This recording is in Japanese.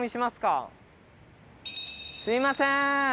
すみません。